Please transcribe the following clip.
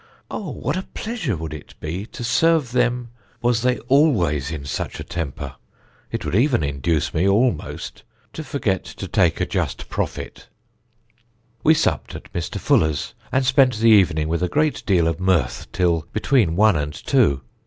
Oh! what a pleasure would it be to serve them was they always in such a temper; it would even induce me, almost, to forget to take a just profit. [Sidenote: POTATIONS] "We supped at Mr. Fuller's and spent the evening with a great deal of mirth, till between one and two.